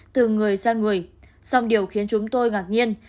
từ người sang người song điều khiến chúng tôi ngạc nhiên